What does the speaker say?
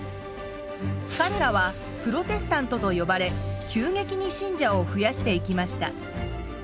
かれらはプロテスタントと呼ばれ急激に信者を増やしていきました。